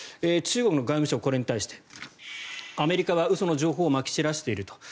中国の外務省は、これに対してアメリカは嘘の情報をまき散らしていると。